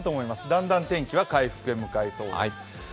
だんだん天気は回復へ向かいそうです。